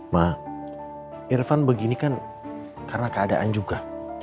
ma irfan begini kan karena keadaan juga